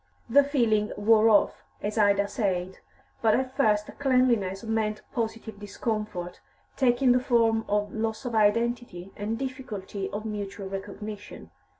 The feeling wore off, as Ida said, but at first cleanliness meant positive discomfort, taking the form of loss of identity and difficulty of mutual recognition.